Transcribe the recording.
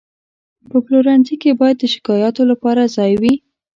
په پلورنځي کې باید د شکایاتو لپاره ځای وي.